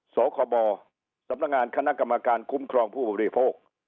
สคบสำนักงานคณะกรรมการคุ้มครองผู้บริโภค